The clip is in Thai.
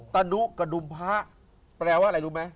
ตะนุกระดุมพระแปลว่าอะไรรู้ไหม